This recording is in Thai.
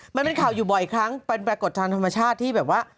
มันเป็นข่าวอยู่บ่อยครั้งเป็นปรากฏทางธรรมชาติที่แบบว่า